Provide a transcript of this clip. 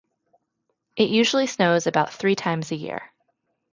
It usually snows about three times a year.